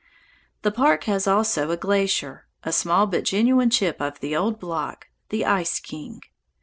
The park has also a glacier, a small but genuine chip of the old block, the Ice King.